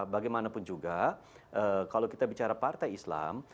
bagaimanapun juga kalau kita bicara partai islam